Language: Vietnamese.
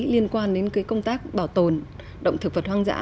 liên quan đến công tác bảo tồn động thực vật hoang dã